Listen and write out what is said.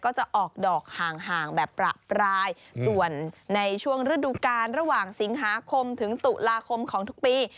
ก็จะออกดอกห่างแบบประปรายส่วนในช่วงฤดูกาลระหว่างสิงหาคมถึงตุลาคมของทุกปี